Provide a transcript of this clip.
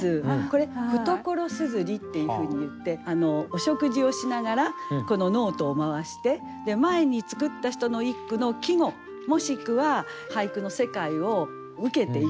これ「懐硯」っていうふうにいってお食事をしながらこのノートを回して前に作った人の一句の季語もしくは俳句の世界を受けて一句詠むという。